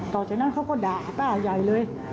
ต่อจากนั้นเขาก็ด่าป้าใหญ่เลย